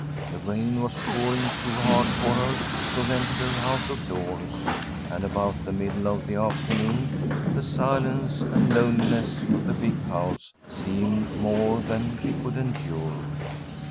The rain was pouring too hard for her to venture out of doors, and about the middle of the afternoon the silence and loneliness of the big house seemed more than she could endure.